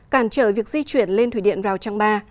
cản trở việc di chuyển lên thủy điện rào trang ba